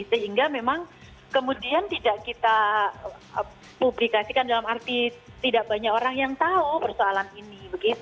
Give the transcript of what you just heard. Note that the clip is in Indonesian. sehingga memang kemudian tidak kita publikasikan dalam arti tidak banyak orang yang tahu persoalan ini